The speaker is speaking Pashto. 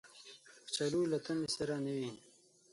کچالو له تندې سره نه وي